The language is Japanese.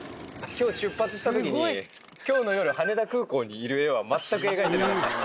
今日出発した時に今日の夜羽田空港にいる画は全く描いてなかった。